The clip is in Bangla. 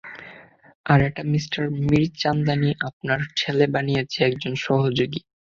আর এটা মিস্টার মীরচান্দানি আপনার ছেলেকে বানিয়েছে একজন সহযোগী।